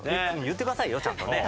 言ってくださいよちゃんとね。